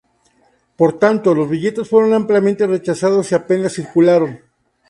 Por tanto, los billetes fueron ampliamente rechazados y apenas circularon.